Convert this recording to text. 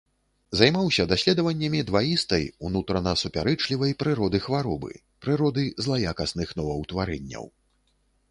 Займаўся даследаваннямі дваістай, унутрана супярэчлівай прыроды хваробы, прыроды злаякасных новаўтварэнняў.